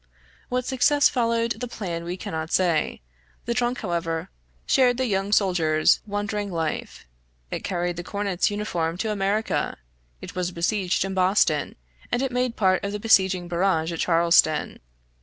What success followed the plan we cannot say. The trunk, however, shared the young soldier's wandering life; it carried the cornet's uniform to America; it was besieged in Boston; and it made part of the besieging baggage at Charleston.